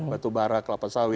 batu barang kelapa sawit